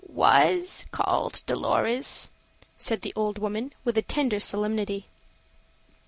"WAS called Dolorez," said the old woman, with a tender solemnity.